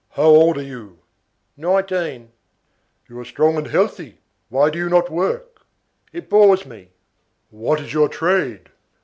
"How old are you?" "Nineteen." "You are strong and healthy. Why do you not work?" "It bores me." "What is your trade?"